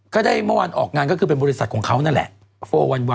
ก็ได้เมื่อวานออกงานก็คือเป็นบริษัทของเขานั่นแหละ